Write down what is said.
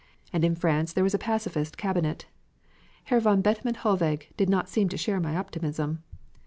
And in France there was a pacifist cabinet. Herr von Bethmann Hollweg did not seem to share my optimism.